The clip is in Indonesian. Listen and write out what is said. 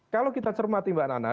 kalau kita cermati mbak nana